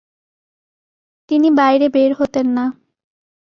তিনি বাইরে বের হতেন না।